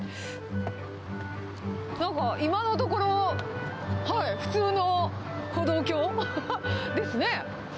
なんか今のところ、普通の歩道橋ですね。